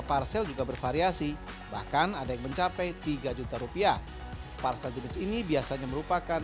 parsel juga bervariasi bahkan ada yang mencapai tiga juta rupiah parsel jenis ini biasanya merupakan